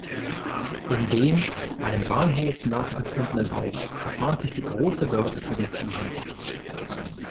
In dem einem Bahnhof nachempfundenen Haus befand sich die große Börse für die Viehhändler.